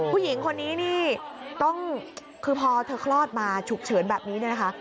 ผู้หญิงคนนี้นี่ต้องคือพอเธอคลอดมาฉุกเฉินแบบนี้เนี่ยนะคะ